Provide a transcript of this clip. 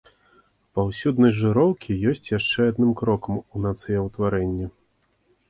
Паўсюднасць жыроўкі ёсць яшчэ адным крокам у нацыяўтварэнні.